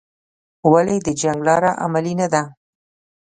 ولې د جنګ لاره عملي نه ده؟